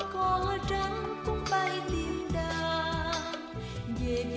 có có trắng cũng bay tìm đà